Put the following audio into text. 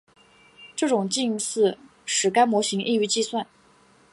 这种近似使该模型易于计算。